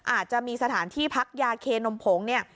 อาจจะมีสถานที่พักยาเคนมผงเนี่ย